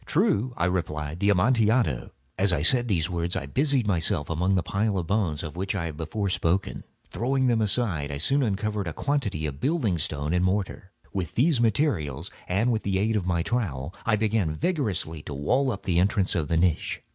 "True," I replied; "the Amontillado." As I said these words I busied myself among the pile of bones of which I have before spoken. Throwing them aside, I soon uncovered a quantity of building stone and mortar. With these materials and with the aid of my trowel, I began vigorously to wall up the entrance of the niche.